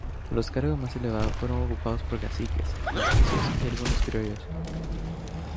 Los cargos más elevados fueron ocupados por caciques, mestizos y algunos criollos.